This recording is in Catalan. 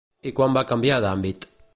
I quan va canviar d'àmbit?